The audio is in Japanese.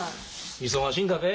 忙しいんだべ。